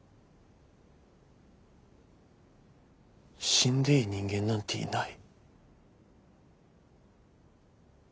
死んでいい人間なんていない。